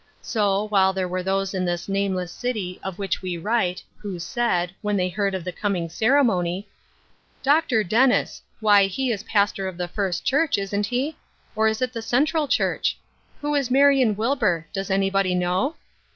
So, while there were those in this nameless city of which we write, who said, when they heard of the coming ceremony :" Dr. Dennis ! Why he is pastor of the First Church, isn't he ? or is it the Central Church ? Who is Marion Wilbur ? does anybody know